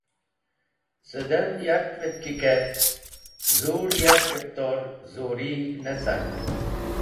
Sidam yarkvẽt ki kert zur yakẽb tor zurig̃h necar.